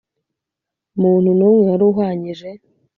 Muntu n umwe wari uhwanyije